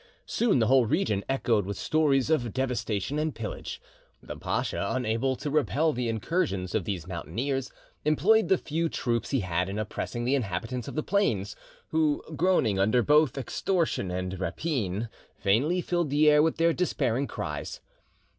Soon the whole region echoed with stories of devastation and pillage. The pacha, unable to repel the incursions of these mountaineers, employed the few troops he had in oppressing the inhabitants of the plains, who, groaning under both extortion and rapine, vainly filled the air with their despairing cries.